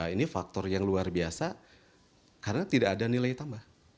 ini faktor yang luar biasa karena tidak ada nilai tambah